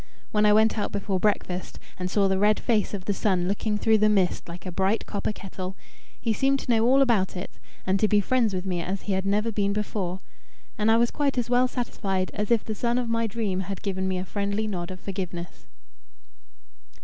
When I went out before breakfast, and saw the red face of the sun looking through the mist like a bright copper kettle, he seemed to know all about it, and to be friends with me as he had never been before; and I was quite as well satisfied as if the sun of my dream had given me a friendly nod of forgiveness.